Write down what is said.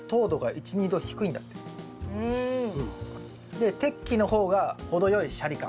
で適期の方が程よいシャリ感。